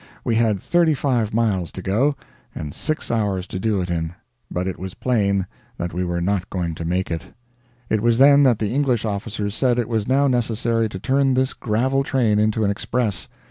We had thirty five miles to go and six hours to do it in, but it was plain that we were not going to make it. It was then that the English officers said it was now necessary to turn this gravel train into an express.